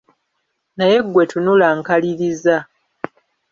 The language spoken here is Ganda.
Naye ggwe tunula nkaliriza.